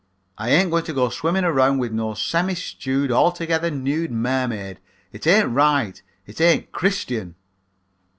I ain't agoing to go swimming around with no semi stewed, altogether nude mermaid. It ain't right. It ain't Christian.'